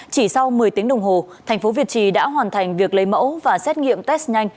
chỉ sau một mươi tiếng đồng hồ thành phố việt trì đã hoàn thành việc lấy mẫu và xét nghiệm test nhanh